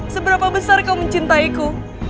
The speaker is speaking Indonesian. seberapa besar kau mencintaiku